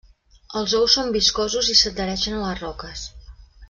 Els ous són viscosos i s'adhereixen a les roques.